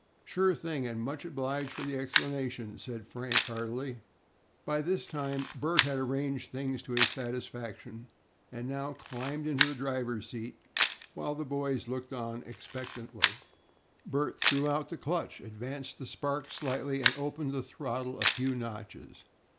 "Sure thing, and much obliged for the explanation," said Frank, heartily. By this time Bert had arranged things to his satisfaction, and now climbed into the driver's seat, while the boys looked on expectantly. Bert threw out the clutch, advanced the spark slightly, and opened the throttle a few notches.